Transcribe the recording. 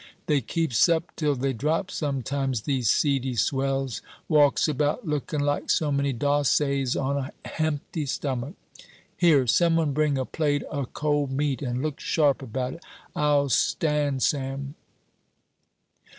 "They keeps up till they drop, sometimes, these seedy swells walks about, lookin' like so many Dossays, on a hempty stomach. Here, some one bring a plate o' cold meat, and look sharp about it. I'll stand sam."